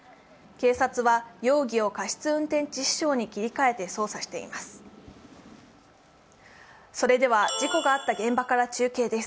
警察は容疑を過失運転致死傷に切り替えて捜査しています。